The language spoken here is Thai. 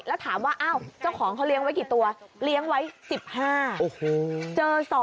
แล้วถามว่าอ้าวเจ้าของเขาเลี้ยงไว้กี่ตัวเลี้ยงไว้๑๕เจอ๒